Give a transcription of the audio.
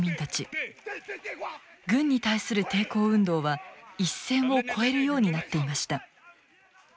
軍に対する抵抗運動は一線を越えるようになっていました。